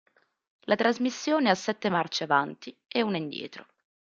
La trasmissione ha sette marce avanti e una indietro.